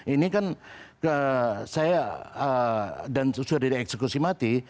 ini kan saya dan sudah di eksekusi mati